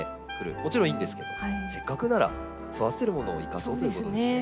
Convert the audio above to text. もちろんいいんですけどせっかくなら育ててるものを生かそうそうですね。